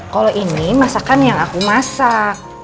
kalau ini masakan yang aku masak